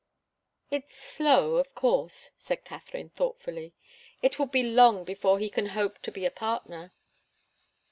"It's slow, of course," said Katharine, thoughtfully. "It will be long before he can hope to be a partner."